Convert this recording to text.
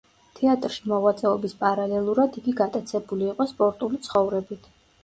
თეატრში მოღვაწეობის პარალელურად იგი გატაცებული იყო სპორტული ცხოვრებით.